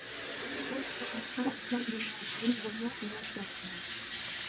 بۇ چاقىرىققا ئىسلام دۇنياسىدىن بىرمۇ قوللاش كەلمىدى.